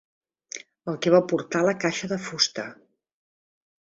El que va portar la caixa de fusta.